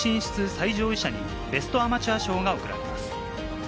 最上位者にベストアマチュア賞が贈られます。